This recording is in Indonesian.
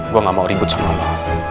gue gak mau ribut sama lo